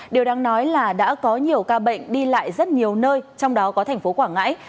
điều đáng nói là đã có nhiều ca bệnh đi lại rất nhiều nơi trong đó có thành phố quảng ngãi